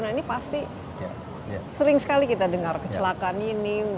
nah ini pasti sering sekali kita dengar kecelakaan ini